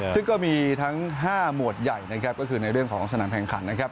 ซึ่งก็มีทั้ง๕หมวดใหญ่นะครับก็คือในเรื่องของสนามแข่งขันนะครับ